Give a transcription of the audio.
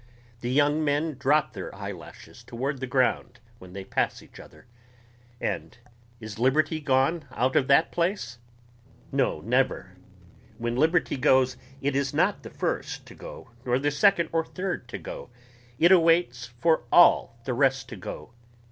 the young men drop their eyelashes toward the ground when they pass each other ... and is liberty gone out of that place? No never. When liberty goes it is not the first to go nor the second or third to go ... it awaits for all the rest to go